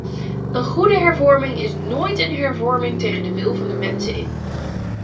Een goede hervorming is nooit een hervorming tegen de wil van de mensen in.